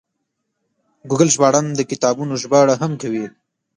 ګوګل ژباړن د کتابونو ژباړه هم کوي.